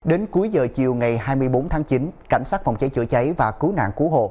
đến cuối giờ chiều ngày hai mươi bốn tháng chín cảnh sát phòng cháy chữa cháy và cứu nạn cứu hộ